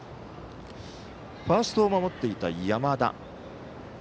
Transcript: ファーストを守っていた、山田。